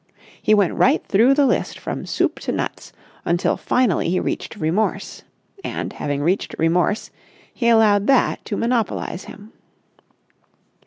He went right through the list from soup to nuts, until finally he reached remorse. And, having reached remorse, he allowed that to monopolise him.